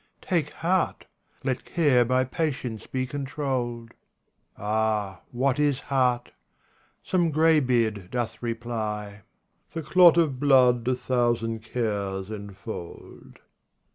Take heart ! let care by patience be controlled." Ah, what is heart ? Some greybeard doth reply :" The clot of blood a thousand cares enfold."